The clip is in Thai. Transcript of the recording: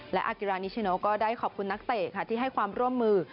และอากิรานิชิโนก็ได้ขอบคุณนักเตะค่ะที่ให้ความร่วมมือ